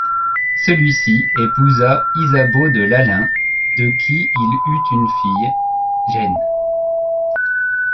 Celui-ci épousa Isabeau de Lalaing de qui il eut une fille, Jenne.